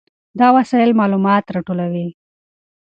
دا وسایل معلومات راټولوي.